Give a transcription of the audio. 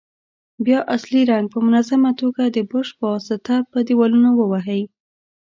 بیا اصلي رنګ په منظمه توګه د برش په واسطه پر دېوالونو ووهئ.